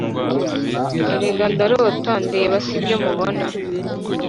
erega ndarota ndeba sibyo mubona